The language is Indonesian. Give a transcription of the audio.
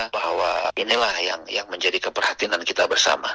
bahwa inilah yang menjadi keperhatinan kita bersama